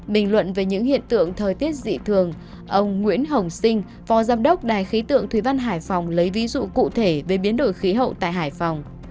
bình luận về những hiện tượng thời tiết dị thường ông nguyễn hồng sinh phó giám đốc đài khí tượng thủy văn hải phòng lấy ví dụ cụ thể về biến đổi khí hậu tại hải phòng